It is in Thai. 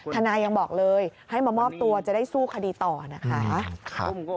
นายยังบอกเลยให้มามอบตัวจะได้สู้คดีต่อนะคะ